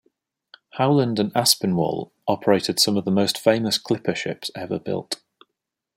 Howland and Aspinwall operated some of the most famous clipper ships ever built.